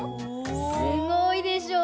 すごいでしょ。